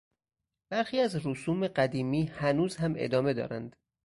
برخی از رسوم قدیمی هنوز هم ادامه دارند.